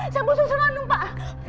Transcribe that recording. saya mau susur ranum pak